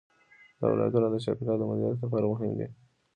دا ولایتونه د چاپیریال د مدیریت لپاره مهم دي.